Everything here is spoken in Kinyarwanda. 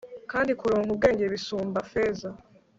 kandi kuronka ubwenge bisumba feza